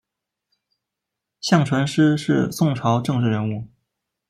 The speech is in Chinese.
向传师是宋朝政治人物。